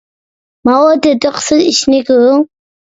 ماۋۇ تېتىقسىز ئىشنى كۆرۈڭ!